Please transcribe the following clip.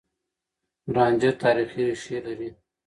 رانجه تاريخي ريښې لري.